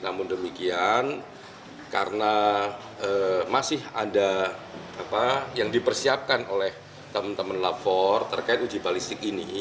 namun demikian karena masih ada yang dipersiapkan oleh teman teman lapor terkait uji balistik ini